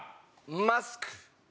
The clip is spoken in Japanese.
マスク。